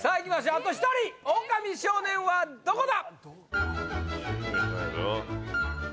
あと１人オオカミ少年はどこだ？